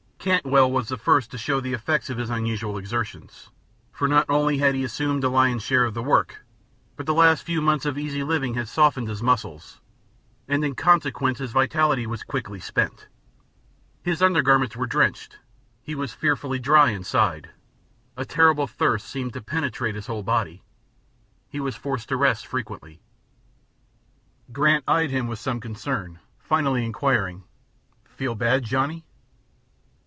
Cantwell was the first to show the effects of his unusual exertions, for not only had he assumed a lion's share of the work, but the last few months of easy living had softened his muscles, and in consequence his vitality was quickly spent. His undergarments were drenched; he was fearfully dry inside; a terrible thirst seemed to penetrate his whole body; he was forced to rest frequently. Grant eyed him with some concern, finally inquiring, "Feel bad, Johnny?"